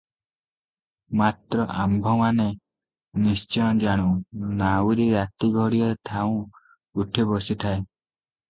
ମାତ୍ର ଆମ୍ଭମାନେ ନିଶ୍ଚୟ ଜାଣୁ, ନାଉରି ରାତି ଘଡ଼ିଏ ଥାଉଁ ଉଠି ବସିଥାଏ ।